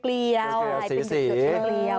เป็นเด็กของเครียวแล้วนะครับ